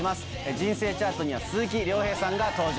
人生チャートには鈴木亮平さんが登場。